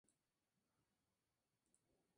Prestó los servicios de televisión por cable.